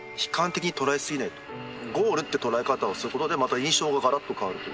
ゴールって捉え方をすることでまた印象ががらっと変わると。